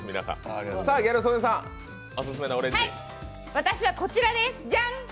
私はこちらです